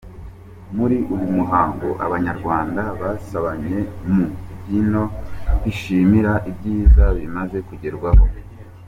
Muri uyu muhango, abanyarwanda basabanye mu mbyino bishimira ibyiza bimaze kugerwaho.